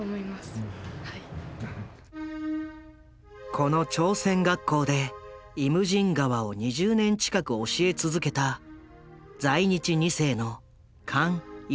この朝鮮学校で「イムジン河」を２０年近く教え続けた在日２世のカン・イルスン。